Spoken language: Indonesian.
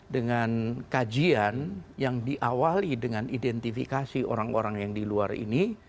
dengan kajian yang diawali dengan identifikasi orang orang yang di luar ini